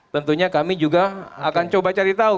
tentunya kami juga akan coba cari tahu